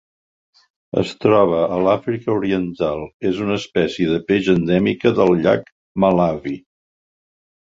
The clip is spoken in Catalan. Es troba a l’Àfrica Oriental: és una espècie de peix endèmica del llac Malawi.